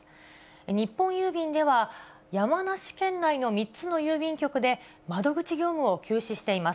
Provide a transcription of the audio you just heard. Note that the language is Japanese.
日本郵便では、山梨県内の３つの郵便局で窓口業務を休止しています。